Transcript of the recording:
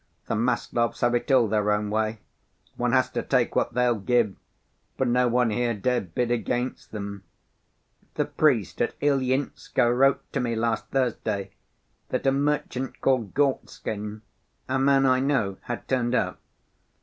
The Maslovs have it all their own way. One has to take what they'll give, for no one here dare bid against them. The priest at Ilyinskoe wrote to me last Thursday that a merchant called Gorstkin, a man I know, had turned up.